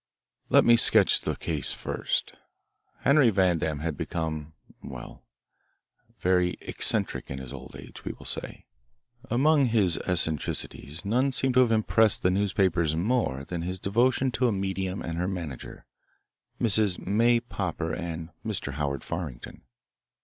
"Let me sketch the case first. Henry Vandam had become well, very eccentric in his old age, we will say. Among his eccentricities none seems to have impressed the newspapers more than his devotion to a medium and her manager, Mrs. May Popper and Mr. Howard Farrington.